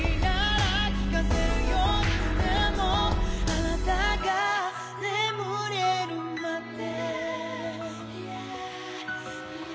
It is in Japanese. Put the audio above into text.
「あなたが眠れるまで」